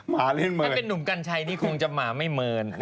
ถ้าเป็นนุ่มกัญชัยนี่คงจะหมาไม่เมิน